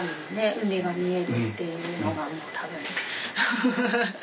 海が見えるっていうのが多分フフフフ。